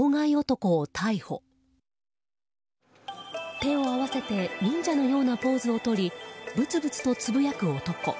手を合わせて忍者のようなポーズをとりぶつぶつとつぶやく男。